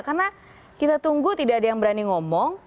karena kita tunggu tidak ada yang berani ngomong